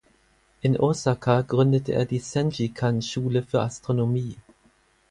In Osaka gründete er die "Senjikan"-Schule für Astronomie.